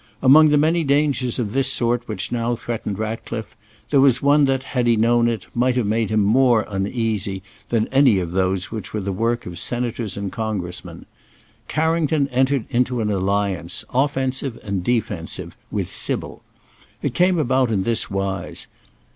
Among the many dangers of this sort which now threatened Ratcliffe, there was one that, had he known it, might have made him more uneasy than any of those which were the work of senators and congressmen. Carrington entered into an alliance, offensive and defensive, with Sybil. It came about in this wise.